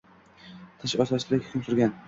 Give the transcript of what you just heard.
Tinchlik-osoyistalik hukm surgan